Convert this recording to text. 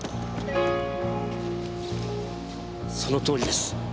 そのとおりです。